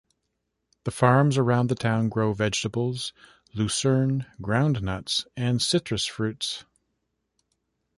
The farms around the town grow vegetables, lucerne, groundnuts, and citrus fruit.